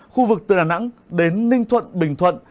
khu vực từ đà nẵng đến ninh thuận bình thuận